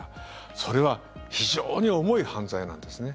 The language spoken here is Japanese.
それは非常に重い犯罪なんですね。